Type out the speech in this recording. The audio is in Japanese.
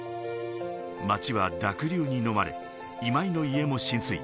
街は濁流にのまれ、今井の家も浸水。